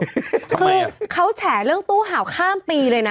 คือเขาแฉเรื่องตู้เห่าข้ามปีเลยนะ